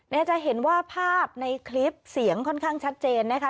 จะเห็นว่าภาพในคลิปเสียงค่อนข้างชัดเจนนะคะ